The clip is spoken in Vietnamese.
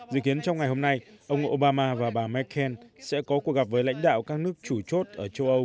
dự kiến trong ngày hôm nay ông obama và bà merkel sẽ có cuộc gặp với lãnh đạo các nước chủ chốt ở châu âu